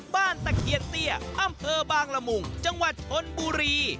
ตะเคียนเตี้ยอำเภอบางละมุงจังหวัดชนบุรี